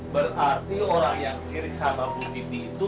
berarti orang yang sirik sama bumi itu